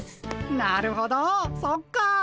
なるほどそっか。